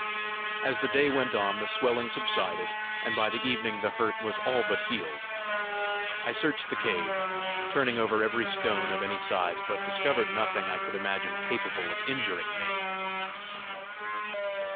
As the day went on, the swelling subsided, and by the evening the hurt was all but healed. I searched the cave, turning over every stone of any size, but discovered nothing I could imagine capable of injuring me.